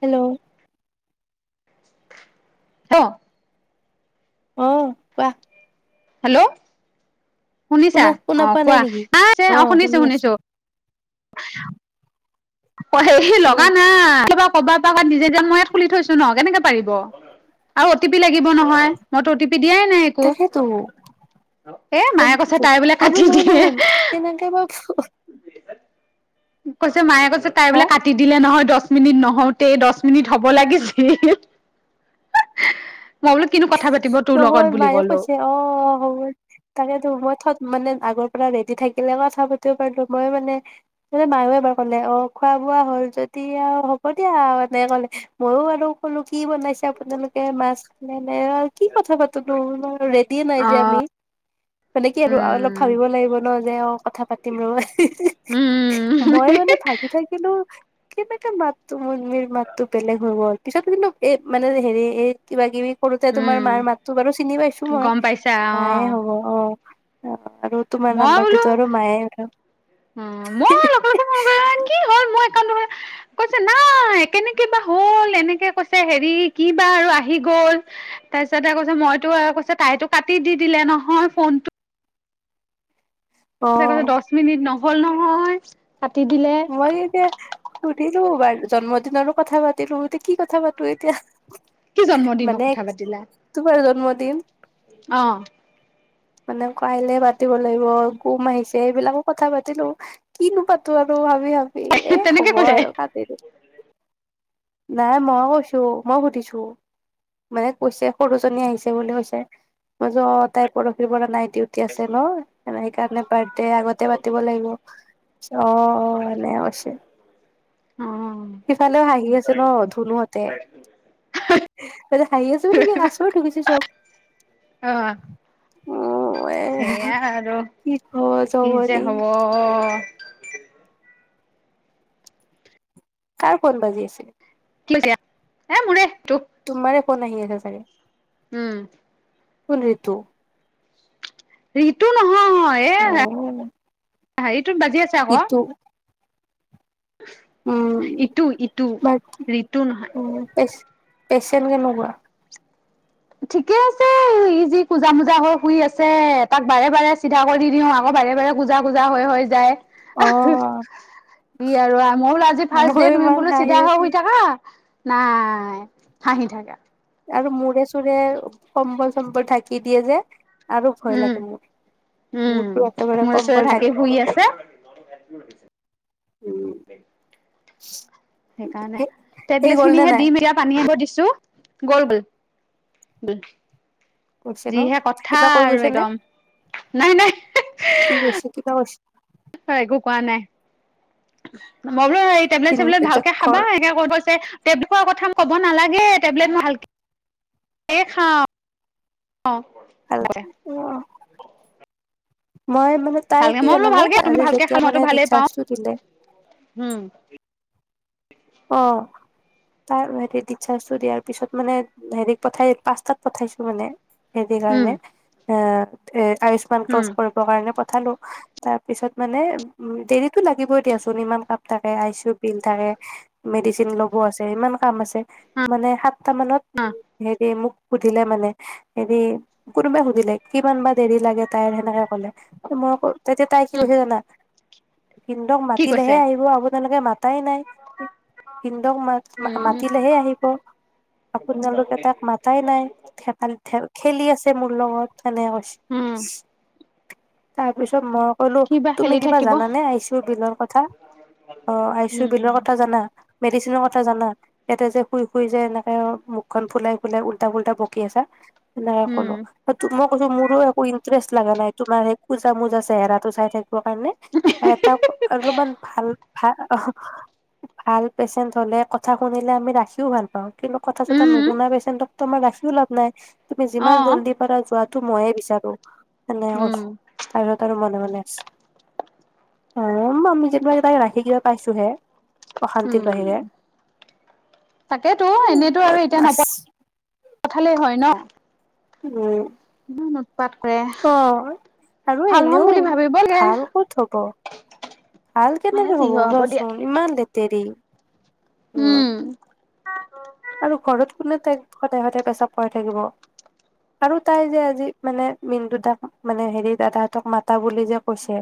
Hello অ অ কোৱা হেল্ল'অ শুনিছা শুনা শুনা অ পোৱা নাই কোৱা নেকি আহ অ শুনিছো শুনিছো উম [inaudible] সে সি লগা নাই কিবা কবাৰ পৰা নিজে দ মই ইয়াত খুলি থৈছো ন কেনেকে পাৰিব আৰু অ টি পি লাগ লাগিব নহয় মইতো অটি পি দিয়াই নাই একো তাকেতো এ গম মায়ে কৈছে পাইছো তাই বোলে আৰু কাটি মই ন দিয়ে কেনেকে বা কৈছে মায়ে কৈছে তাই হা বোলে কাটি দিলে নহয় দহ দহ মিনিট নহওঁতে দহ মিনিট হ'ব লাগিছিল মই বোলো কিনো কথা পাতিব তোৰ লগত নহয় বুলি মায়ে ক'লো কৈছে অ হ তাকে মইঠত মানে আগৰ পৰা ৰেডি থাকিলে কথা পাতিব পাৰিলো মই মানে ম মায়ও এবাৰ কলে অ খোৱা বোৱা হল যদি আৰু হ'ব দিয়া মানে কলে মইও বাৰ কলো কি বনাইছে আপোনালোকে মাছ [unintelligible] কি কথা পাতনো ৰেডিয়ে নাই যে আমি অ', মানে কি আৰু অলপ উম। ভাবিব লাগিব ন যে অ কথা পাতিম ৰবা হি হি উম, উম, মই মানে ভাবি থাকিলো কেনেকা মাতো মানে মাতো বেলেগ হৈ গ'ল, পিছত কিন্তু এ মানে হেৰি এই কিবা-কিবি সৰুতে তোমাৰ উম মাৰ মাতো বাৰু চিনি পাইছো মই, গম পাইছা মায়ে অ', হ'ব। অ অ আৰু তোমাৰ মই বোলো, নাম্বাৰটোতো আৰু মায়ে উম, মই লগে-লগে মাৰিলো এ কি হ'ল মই ফন কৰো কৈছে নাই, কেনেকে বা হ'ল এনেকে কৈছে, হেৰি কি বা আৰু আহি গ'ল, তাৰপিছতে কৈছে, মইতো আৰু কৈছে তাইতো কাটি দি দিলে নহয় ফোনটো। অ ক দহ মিনিট নহয় হ'ল নহয় কাটি দিলে। মই এতিয়া, শুনিছোঁ মোবাইলতো জন্মদিনৰে কথা পাতিলো, এতিয়া কি কথা পাতো এতিয়া? কি জন্মদিনৰ মানে, তোমাৰ জন্ম দিন দিম অহ মানে কাইলে পাতিব লাগিব আৰু গুম আহিছে, এইবিলাকো কথা পাতিলো, কিনো পাতো আৰু ভাবি হাম এ তেনেকে হ'ব কৈছে আৰু কাটি দে নাই মই কৈছো, মই সুধিছো, মানে কৈছে সৰু জনী আহিছে বুলি কৈছে, মই যে অ তাই পৰহি পৰা নাইট ডিউটি আছে ন, সেইকাৰণে বাৰ্ডে আগতে পাতিব লাগিব, অ এনে কৈছে। অ' সিফালেও হাঁহি আছে ন ধুনুহতে, তছ হাঁহি আছে নেকি আচৰিত হৈ গৈছে চব। অ এ সেইয়া আৰু কব কি যে জমনি হব কাৰ ফোন বাজি আছে? কি আছে ইয়াত? এ মোৰে তোক তোমাৰে ফোন আহি আছে চাগে। উম কোন সেইটো? ঋতু নহ [unintelligible] [unintelligible] [unintelligible] বাজি আছে আকৌ। ঋতু উম ইটো-ইটো, বাট ঋতু নহয়। পেচেণ্ট কেনেকুৱা? ঠিকে আছে। ই, যি কোজা-মোজা হৈ শুই আছে, তাক বাৰে-বাৰে চিধা কৰি দিওঁ, আকৌ বাৰে-বাৰে, কোজা-কোজা, হৈ-হৈ যায়। অ কি আৰু মই বোলো আজি মোৰ ফাৰ্ষ্টদে তুমি ইমান বোলো, হাঁহি চিধা কে উঠি শুই থাকা। নাই, হাঁহি থাকে। আৰু মূৰে-চোৰে, কম্বল-চম্বল ঢাকি দিয়ে যে। আৰু ভয় উম, লাগে মোৰ উম, মোৰতো একেবাৰে মোৰ কম্বল ওচৰত ঢাকি ধাকি শুই আছে। [unintelligible] উম [unintelligible] [unintelligible] সেইকাৰণে, এই টেবলেট গ'ল নে খিনিহে নাই দিম। এতিয়া পানী আনিব দিছোঁ। [unintelligible] গৈছে ন যিহে কথা কিবা কৈ আৰু গৈছে নে একদম! নাই নাই! কি কৈছে, কিবা বছ হয়, একো কোৱা নাই [unintelligible] টেবলেট চেবলেট কৈছে ভালকে ঘৰ খাবা, সে কৈ গৈছে। টেবলেটৰ কথা ক'ব নালাগে। টেবলেট মই ভালকৈ, এই খাওঁ। ভাল অ' [unintelligible] মই মানে তাই, মই কি বোলো জানানে, ভালকে তুমি আজি ভালকে যেতিয়া খাল মইতো মানে, ভালেই ৰিচাৰ্জ পাওঁ টো দিলে। উম অ' [unintelligible] পিছত মানে, হেৰি পঠাই, পাঁচটাত পঠাইছো মানে। [unintelligible] উম কাৰণে? অ'! এ' আয়ুস্মান ক্ৰচ উম কৰিবৰ কাৰণে উঠালো, তাৰ পিছত মানে, উ! দেৰিতো লাগিবই দিয়াচোন, ইমান কাম থাকে। আইচিউ বিল থাকে। মেডিচিন ল'ব আছে। ইমান কাম আছে, মানে সাতটা মানত উ! অ হেৰি মোক সুধিলে মানে হেৰি, কোনোবাই সুধিলে, কিমান বা দেৰি লাগে? তাই সেনেকে কলে, মই তেতিয়া, তাই কি উম কৈছে জানা পিন্ধক কি কৈছে মাতিলেহে আহিব আবোদালৈকে মাত তাই নাই উম উম মাতিলেহে আহিব আপোনালোকে তাক মাতাই নাইাল খেলি আছে মোৰ লগত সেনেকে কইছে উম তাৰ পিছত মই কলো কিবা তুমি খেলি কিবা থাকিব জানে আইচি ইউ বিলৰ কথা অ আইচি ইউ বিলৰ উম কথা মেডিচিনৰ কথা জানা ইয়াতে যে শুই শুই যে এনেকে মুখখন ফুলাই ফুলাই উল্টা ফুল্টা বকি আছে নাই কো উম তো মই কৈছো মোৰো একো ইণ্টাৰেষ্ট লগা নাই তোমাৰ সেই খোজা মোজা চেহৰাটো চাই থাকে কাৰণে এটা অলপমান ভাল ভাল অ ভাল পেচেণ্ট হলে কথা শুনিলে আমি ৰাখিও ভাল পাও। কিন্তু কথা চথা উম নুশুনা পেচেণ্টক তোমাৰ ৰাখিও লাভ নাই। তুমি অ যিমান জল্দি পাৰা যোৱা। টো ময়ে বিচাৰো। নাই অৱচ উম তাৰ সত আৰু মনে- মনে [unintelligible] প্লেছ অহ ম মিজ ম [unintelligible] তাইৰ ৰাখি কেইটা পাইছোহে। অশান্তিৰ উম, বাহিৰে তাকেতো উম এনেতো আৰু এতিয়া নপ [unintelligible] পঠালেই হয় ন। উম, উম, অহ, আৰু ভাল হ'ম এনেও বুলি ভাবিব লাগে ভাল কত হব ভাল এ কেনেকে যি হব হয় দিয়া কোৱাচোন ইমান লেতেৰি। উম, অ [inaudible] আৰু ঘৰত কোনে তাইক সদায়- সদায় পেচা পাই থাকিব। আৰু তাই যে আজি মানে মিণ্টু দাক মানে হেৰি দাদাহতক মাতা বুলি যে কৈছে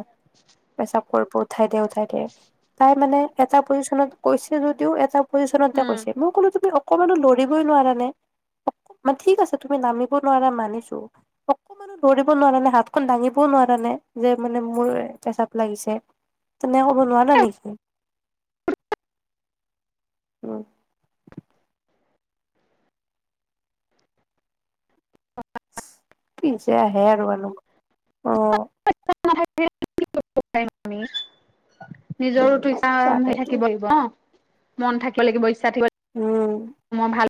পেচাপ কৰিব উঠাই দে - উঠাই দে তাই মানে এটা পজিশনত কৈছে যদিও এটা পজিচনতে উম কৈছে মই কলো তুমি অকমান লৰিবই নোৱাৰানে মানে ঠিক আছে তুমি নামিব নোৱাৰা মানিছো অকমানো ধৰিব নোৱাৰা নে হাতখন দাঙিবও নোৱাৰ নে যে মানে মোৰ হেচাপ লাগিছে তেনে কব নোৱাৰা নেকি। উম কিযে আহে আৰু অহ, [unintelligible] নিজৰ ইচা আৰাম হৈ তাকেইতো থাকিব লাগিব অহ। মন থাযে লাগিবচ [unintelligible] উম মই ভাল।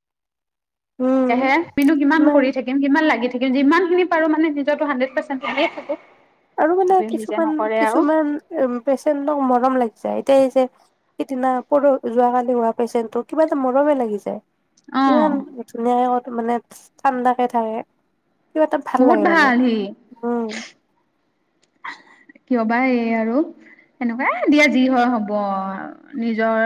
উম এহে আমিনো কিমান ইমান কৰি থাকিম কিমান লাগি থাক ম যিমানখিনি পাৰো মানে নিজকি হান্দ্ৰেড পাৰ্চেণ্ট থাকো। আৰু মানে তথাপিও নিজে কিছুকাম নকৰে আৰু কিছুমান পেচেন্টক মৰম লাগে। এতিয়া যে সিদিনা পৰ যোৱকালি হোৱা পেচেণ্টো কিবা এটা মৰমে লাগি অ যায়। ইমান ধুনীয়া। মানে ঠাণ্ডাকে থাকে। কিবা এটা ভাল বহুত লাগে মানে সি উম। কিয় বা এই আৰু সেনেকুৱাই এ দিয়া যি হয় হব, নিজৰ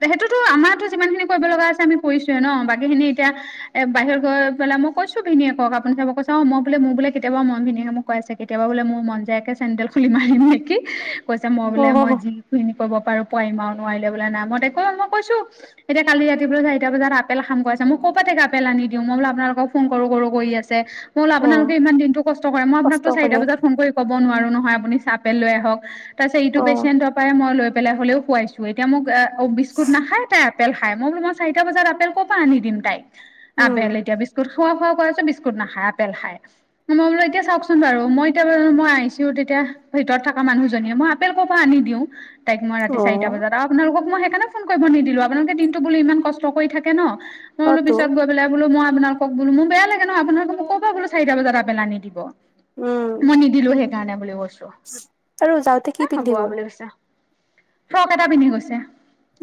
সেইটোতো আমাৰতো যিমান খিনি কৰিব লগা আছে আমি কৰিছোঁৱেই ন, বাকী খিনি এতিয়া এ বাহিৰত গৈ পেলাই মই কৈছো ভিনীয়েক আপুনি চাব, কৈছে অ মই বোলে মোৰ বোলে কেতিয়াবা মন যায়। খুলি মাৰিম নেকি? কৈছে মই বোলে মই অ যিখিনি কৰিব। বাৰু পোৱিমা আৰু নোৱাৰিলে বোলে নাই মই মই কৈছো এতিয়া কালি ৰাতিপোলে চাৰিটা বজাত আপেল খাম কৰা আছে মই ক'ৰপাতে আপেল আনি দিওঁ মই বোল আপোনালোকক ফোন কৰো কৰো কৰি আছে। মই বোলো আপোনালোকে ইমান দিনটো কষ্ট কৰে মই কষ্ট আপোনাকতো চাৰটা কৰে বজাত ফোন কব নোৱাৰো নহয়। আপুনি চাহপেল লৈ আহক তাৰ পিছত ইটো অ পেচেণ্টৰ পৰাই মই লৈ হলেও খুৱাইছো এতিয়া মোক। অ বিস্কুট নাখায় তাই? আপেল খাই, মই বোলো, মই চাৰিটা বজাত আপেল ক'ৰ পৰা আনি দিম তাইক? উম আপেল এতিয়া বিস্কুট। খোৱা খোৱা কয় আছো, বিস্কুট নাখায় আপেল খায়, মই বোলো এতিয়া চওকচোন বাৰু মই এতিয়া মই আহ। ভিতৰত থকা মানুহজনীয়ে, মই আপেল কৰ পৰা আনি দিও? তাইক মই অ ৰাতি চাৰিটা বজাত আপালোকক মই। সেইকাৰণে ফোন কৰিব নিদিলো, আপোনালোকে দিনতো ইমান কষ্ট কৰি থাকে ন? মই বোলো, অতো পিছত গৈ পেলাই বোলো মই। আপোনালকো মোৰ বেয়া লাগে ন আপোনালোক মোক ক' পৰা বোল চাৰিতা বজাত আপেল আনি দিব। উম। গানা বুলি আৰু যাওঁতে এ কি হ'ব পিন্ধি আৰু গ'ল। বুলি কৈছে ফ্ৰক এটা পিন্ধি গৈছে।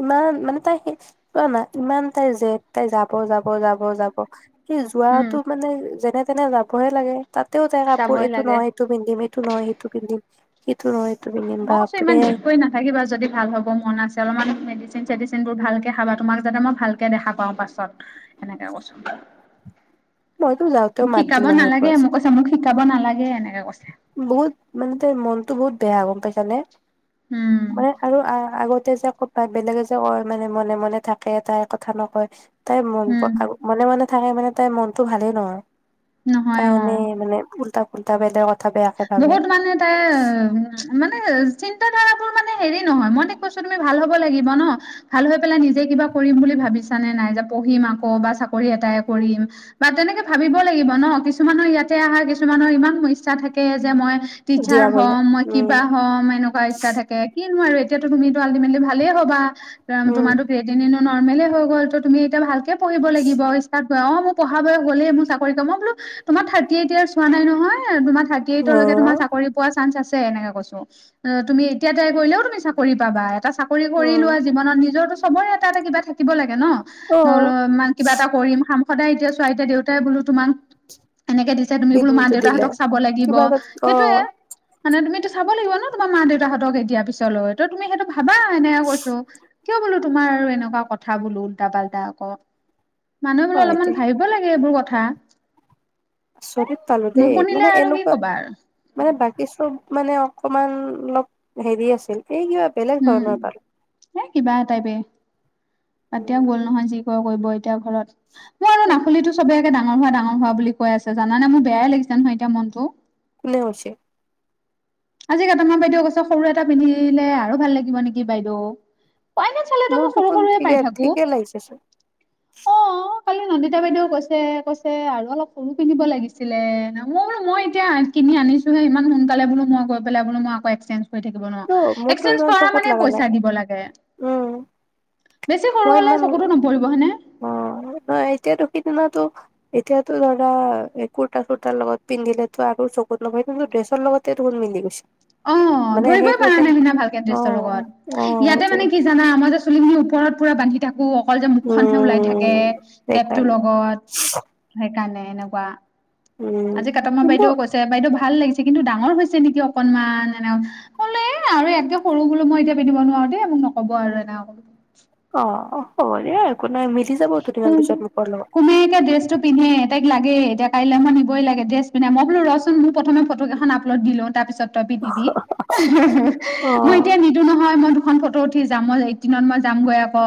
ইমান মানে তাই স জোৱা না ইমান তাই জ তাই যাব যাব যাব যাব। সেই উম। যোৱাাতো মানে যেনে। তেনে যাবহে লাগে। তাতেও তাই কাপোৰ, চাবই এইটো লাগে নহয় এইটো পিন্ধিম, এইটো নহয় সেইটো পিন্ধিম। সিটো নহয় সিটো পিন্ধিম মই কৈছো বাপৰে ইমান জিদ কৰি নাথাকিবা যদি ভাল হ'ব মন আছে অলপমান মেডিচিন চেডিচিন বোৰ ভালকে খাবা তোমাক যাতে মই ভালকে দেখা পাওঁ পাছত। সেনেকে কচোন। মইতো যাওঁতেও মাত দিম নহয় নালাগে কচোন মোক কৈছে মোক শিকাব নালাগে এনেকে কৈছে বহুত মানে ত মনতটো বহুত বেয়া গম পাইছে। তেনে উম মানে আৰু আগত। যে তাই বেলেগে যে কয় মানে মনে মনে থাকে টাই কথা নকয়। তাই মন উম মনে মনে। থাকে মানে তাইৰ মন তো ভালেই নহয়। নহয় তাই এনেই অ মানে উল্টা উল্টা বেলেগ কথা বেয়াকে ভাবে বহুত মানে তাই মানে তাই তাৰাবোৰ মানে হেৰি নহয়। মই তাইক কৈছোঁ, তুমি ভাল হব লাগিব ন'? ভাল হৈ পেলাই নিজে কিবা কৰিম বুলি ভাবিছা নে নাই? যে পঢ়িম আকৌ বা চাকৰি এটাই কৰিম, বা তেনেকে ভাবিব লাগিব ন'? কিছুমানৰ ইয়াতে আহাৰ, কিছুমানৰ ইমান ইচ্ছা থা কে যে মই টিচাৰ দিয়াবলে হ'ম, মই উম কিবা হ'ম, এনেকুৱা ইচ্ছা থাকে। কিনো আৰু সেইটো তুমিটো আল্টিমেটলি ভালেই হবা। ৰাম উম তোমাৰটো কেইদিনেনো নৰ্মেলে হৈ গ'ল। তো তুমি এতিয়া ভালকে পঢ়িব লাগিব গাঁৱত মোৰ পঢ়াৰ বয়স গলেই, মোৰ চাকৰিটো- মই বোলো তোমাৰ থাৰ্টি এইট ইয়াৰছ হোৱা নাই নহয়। তোমাৰ অ এইট'লৈকে তোমাৰ চাকৰি পোৱাৰ চান্স আছে। তে এনেকে কৈছোঁ। উম, তুমি এতিয়া ট্ৰাই কৰিলেও তুমি চাকৰি পাবা। এটা চাকৰি কৰি উম লোৱা জীৱনত। নিজৰতো সময় এটা - এটা কিবা থাকিব লা গে ন'? অ মই অল- মান কিবা এটা কৰিম। সদায় এতিয়া চোৱা। এতিয়া দেউতাই বোলো তোমাক এনেকে দিছে। তুমি বোলো কিন্তু দিলে মা-দেউতাহঁতক চাব লা কিবা এটাটো, অ'। মানে তুমিটো চাব লাগিব ন' তোমাৰ মা-দেউতাহঁতক এতিয়া পিছলৈ। তো তুমি সেইটো ভাবা, এনেকে কৈছোঁ। কিয় বোলো তোমাৰ আৰু এনে এনেকুৱা কথা বোলো ওল্টা-পাল্টা আক'। মানুহ মানে হয় দে অলপমান ভাবিব লাগে এইবোৰ ক থা। আচৰিত পালোঁ দেই। মানে এনেকুৱা কবা আৰু মানে বাকী ছৰ মোক মানে অকমান অলপ হেৰি আছিল। সেই কিবা বেলেগ ধৰণৰ [inaudible] নাই কিবা এ টাইপে। পতিয়ন উম গ'ল নহয়, যি ক কৈ বৈ তিয়া ঘৰত। মই আৰু নাখুলিতো সবে একে ডাঙ ডাঙৰ হোৱা ডাঙৰ হোৱা বুলি কৈ আছে জানে মোৰ বেয়াই লাগিছে নহয় এতিয়া মনটো কোনে কৈছে? আজি কেইটামান বাইদেউ কৈছে সৰু এটা পিন্ধিলে আৰু ভাল লাগিব নেকি বাইদেউ। অইনত চালেতো মোৰ মই সৰু দুখোন সৰুৱে ঠিক পাই থাকো ঠিকে লাগিছে চোন অ কালি নন্দিতা বাইদেউও কৈছে কৈছে আৰু অলপ সৰু কিনিব লাগিছিলে ন মই বোলো মই এতিয়া কিনি আনিছোহে ইমান সোনকালে বোলো মই গৈ পেলাই বোলে মই আক একছেন্স কৰি থাকিব নোৱাৰো কিন্তু মোৰতো এক্সেঞ্জ ইমান কৰা চকুত মানে লগা নাই পইচা দিব লাগে উম বেছি সৰু মই হলে ইমান চকুতো নপৰিব হনে, অ নহ এতিয়াতো সেইদিনা তো এতিয়াতো ধৰা এ কুৰ্তা চুৰ্তাৰ লগত পিন্ধিলেতো আৰু চকুত লগাই কিন্তু ড্ৰেছৰ লগতে দেখোন মিলি গৈছে। অ মানে ধৰিবই সেইটো পাৰা সে নাই সিনা ভালকে অ ড্ৰেছৰ লগত অ ইয়াতে সেইটোৱে মানে কি জানা আমাৰ যে চুলিখিনি ওপৰত পু বান্ধি থাকো অকল যে মুখখনহে ওলাই থাকে উম কেব টোৰ সেইকাৰণে লগত কাৰনে এনেকুৱা উম আজি কাটম কিন্তু বাইদেউও কৈছে বাইদেউ ভাল লাগিছে কিন্তু ডাঙৰ হৈছে নেকি অকনমান এনেকে কৈছে মই‌ বুলো এ‌‌ আৰু এযাতকে সৰু বোলো মই এতিয়া পিন্ধিব নোৱাৰো দেই মোক নকব আৰু এনে অ হ'ব দিয়া নাই মিলি যাব দুদিনমান পিছত মোকৰ লগত কোমে এতিয়া ড্ৰেছটো পিন্ধে তাইক লাগে এতি কাইলৈ মই নিবই লাগে ড্ৰেছ পিন্ধা মই বলো ৰচোন প্ৰথম ফটোকেইখন আপলোড দিলও তাৰপিছত তই পিন্ধিবি‌ এ হে হে অ মই এতিয়া নিদো নহয় মই, খন ফটো উঠি যাম মই এইকেইদিনত‌ মই যাম গৈ আকৌ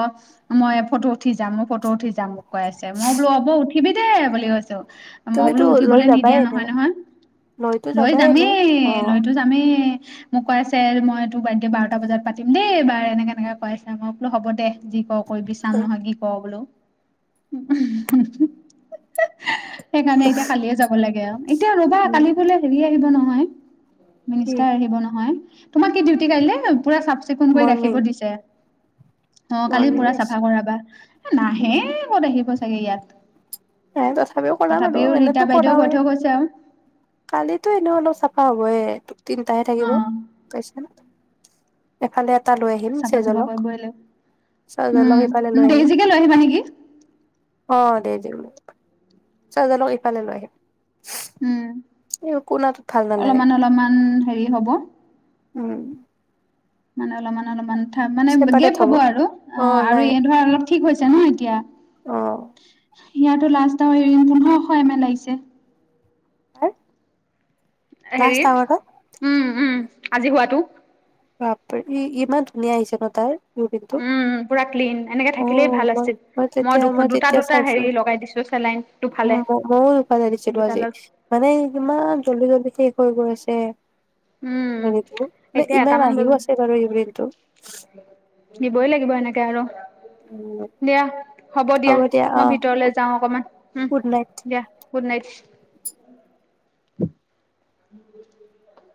মই ফটো উঠি যাম ফটো উঠি যাম কৈ আছে মই বোলো হব উঠিবি বুলি কৈছো মই বোলো তুমিতো লৈ উঠিবলৈ যাবাই নিদিয়া নহয় এনেও নহয় লৈতো লৈ যাবাই এনেও যামেই অ লৈতো যামেই মোক কৈ আছে মই তোৰ বাৰ্থডে বাৰটা বজাত পাতিম দেই এইবাৰ এনেকে এনেকে কৈ আছে মই বোলো হ'ব দে। যি ক কৰিবি চাম নহয় কি ক বোলো ওহো হো হো হো সেইকাৰণে এতিয়া কালিয়ে যাব লাগে আৰু এতিয়া ৰবা উম কালি গলে হেৰি আহিব নহয় কি মিনিষ্টাৰ আহিব নহয় তোমাৰ কি ডিউটি কাইিলে, পুৰা চাফ চিকুণ কৰি মৰ্ণিং ৰাখিব দিছে অ কালি মৰ্ণিং পুৰা চাফা কৰাবা নাহে ক'ত আহিব, চাগে ইয়াত এ তথাপিও কৰা আৰু তথাপিও ৰীতা এনেতো বাইদেউ কৈ কৰাওয়ে থৈ গৈছে আৰু কালিতো এনে অলপ চাফা হবয়ে, তিনিটাহে থাকিব অ পাইছে ন এফালে এটা লৈ আহিম চাফা চাফা চেজলক কৰিবই লাগিব চেজলক ইফালে লৈ উম আহিম বেজিকে লৈ আহিবা নেকি অ দে দে চ জ ল ইফাল ল আহ উম নালাগে। অলপমান অলপমান হেৰি হ'ব উম মনল মন মন ক মানে গেপ হ'ব আৰু অ আৰু এই ধৰা অলপ ঠিক হৈছে নহয় ন ক আহ ইয়াতো লাষ্ট এৰিণ পোন্ধৰশ এম এল লাগিছে হা হেৰি উম উম আজি হোৱাটো বাপ ই ইমান ধুনীয়া আহিছে ন তাৰ উম পুৰা ক্লিন এনেকে অ থাকিলেই ভাল মই আছিল মই তেতিয়া দু মই দুটা তেতিয়া দুটা চাইছো হেৰি লগাই দিছো চেলাইন দুফালে ময়ো উপালে দিছিলো আজি দুডালত মানে ইমান জল্দি জল্দি স হৈ গৈছে উম এতিয়া এটামান আহিও বজাত আছে বাৰু ইউৰিনটো দিবই লাগিব এনেকে আৰু দিয়া হ'ব দিয়া মই ভিতৰলে যাওঁ অকমান উম গুড নাইট। দিয়া গুড নাইট উম